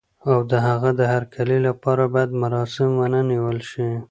او د هغه د هرکلي لپاره باید مراسم ونه نیول شي.